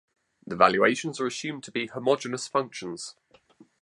The valuations are assumed to be homogeneous functions.